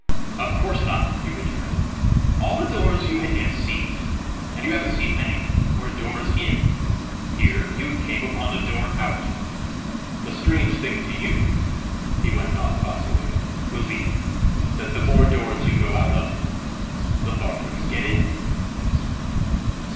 "Of course not!" he returned; "all the doors you had yet seen and you haven't seen many were doors in; here you came upon a door out! The strange thing to you," he went on thoughtfully, "will be, that the more doors you go out of, the farther you get in!"